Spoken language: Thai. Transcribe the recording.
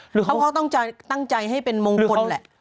เพราะเขาตั้งใจให้เป็นมงคลแหละ